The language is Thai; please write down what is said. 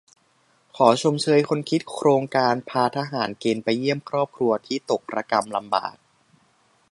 ขอชมเชยคนคิดโครงการพาทหารเกณฑ์ไปเยี่ยมครอบครัวที่ตกระกำลำบาก